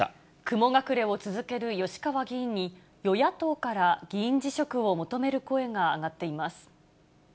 雲隠れを続ける吉川議員に、与野党から議員辞職を求める声が上がっています。